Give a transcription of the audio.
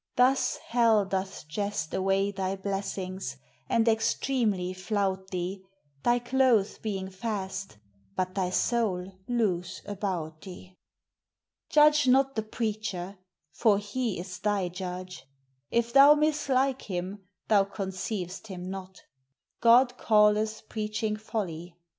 Thus hell doth jest Away thy blessings, and extremely flout thee, Thy clothes being fast, but thy soul loose about thee. Judge not the preacher; for he is thy judge: If thou mislike him, thou conceiv'st him not. God calleth preaching folly.